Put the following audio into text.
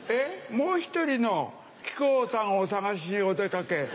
もう１人の木久扇さんを探しにお出掛け。